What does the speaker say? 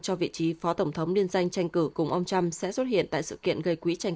cho vị trí phó tổng thống liên danh tranh cử cùng ông trump sẽ xuất hiện tại sự kiện gây quỹ tranh